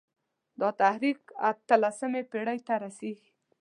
دا تحریک اته لسمې پېړۍ ته رسېږي.